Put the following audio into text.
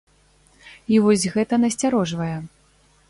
І вось гэта насцярожвае.